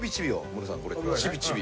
ムロさんこれちびちび。